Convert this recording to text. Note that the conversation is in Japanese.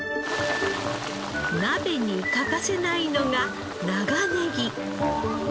鍋に欠かせないのが長ネギ！